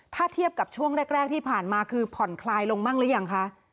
ถ้าเทียบกับช่วงแรกที่ผ่านมาคือผ่อนคลายลงบ้างหรือยังคะ